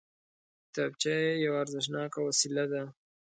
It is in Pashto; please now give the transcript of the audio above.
کتابچه یوه ارزښتناکه وسیله ده